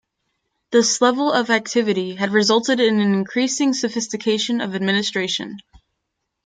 This level of activity had resulted in an increasing sophistication of administration.